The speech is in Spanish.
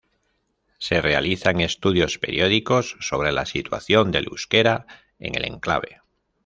Se realizan estudios periódicos sobre la situación del euskera en el enclave.